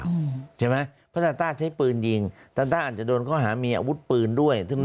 เพราะว่าต้าต้าใช้ปืนยิงตาต้าอาจจะโดนเข้าหามีอาวุธปืนด้วย